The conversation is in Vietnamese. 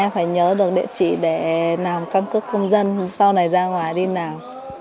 em phải nhớ được địa chỉ để làm căn cứ công dân sau này ra ngoài đi nào